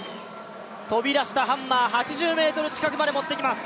飛び出したハンマー、８０ｍ近くまで持ってきます。